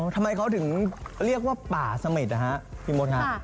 ทำไมเขาถึงเรียกว่าปาสเมษพี่มดค่ะ